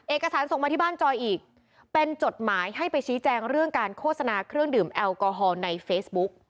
เอกสารส่งมาที่บ้านจอยอีกเป็นจดหมายให้ไปชี้แจงเรื่องการโฆษณาเครื่องดื่มแอลกอฮอล์ในเฟซบุ๊ก